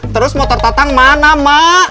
terus motor tatang mana mak